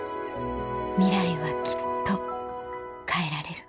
ミライはきっと変えられる